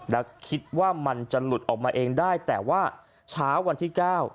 แล้วคิดว่ามันจะหลุดออกมาเองได้แต่ว่าเช้าวันที่๙